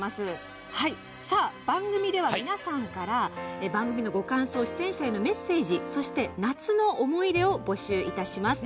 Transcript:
番組では皆さんから番組への感想、メッセージそして「夏の思い出」を募集いたします。